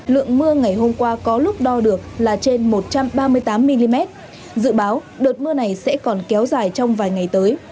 lượng mưa ngày hôm qua có lúc đo được là trên một trăm ba mươi tám mm dự báo đợt mưa này sẽ còn kéo dài trong vài ngày tới